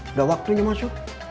sudah waktunya masuk